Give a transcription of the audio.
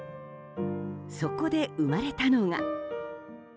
そこで生まれたのが。